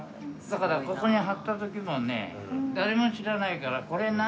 だからここに貼った時もね誰も知らないから「これ何？何？」